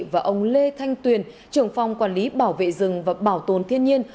và ông lê thanh tuyền trưởng phòng quản lý bảo vệ rừng và bảo tồn thiên nhiên